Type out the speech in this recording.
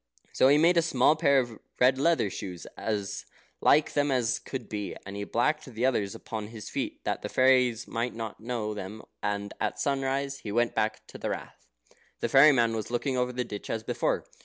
So he made a small pair of red leather shoes, as like them as could be, and he blacked the others upon his feet, that the fairies might not know them, and at sunrise he went to the Rath. The fairy man was looking over the ditch as before.